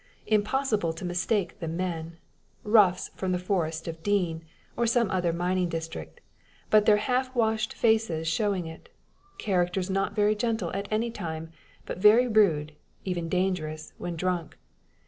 Impossible to mistake the men roughs from the Forest of Dean, or some other mining district, their but half washed faces showing it; characters not very gentle at any time, but very rude, even dangerous, when drunk.